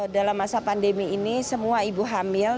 dalam masa pandemi ini semua ibu hamil